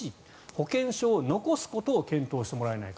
保険証を残すことを検討してもらえないか。